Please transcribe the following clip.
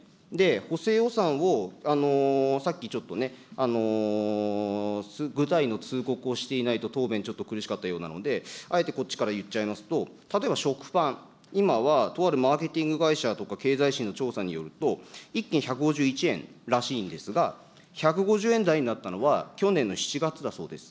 補正予算をさっき、ちょっとね、具体の通告をしていないと答弁ちょっと苦しかったようなので、あえてこっちから言っちゃいますと、例えば食パン、今はとあるマーケティング会社とか経済誌の調査によると、１斤１５１円らしいんですが、１５０円台になったのは去年の７月だそうです。